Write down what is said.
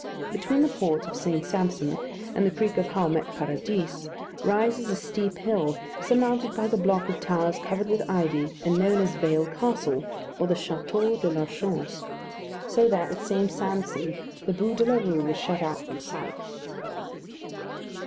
Between the port of St. Sampson and the creek of Houmet Paradis, rises a steep hill, surmounted by the block of towers covered with ivy, and known as Vale Castle, or the Château de l'Archange; so that, at St. Sampson, the Bû de la Rue was shut out from sight.